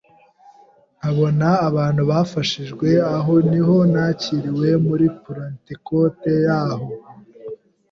nkabona abantu bafashijwe, aho niho nakiriwe muri Pentecote y’aho,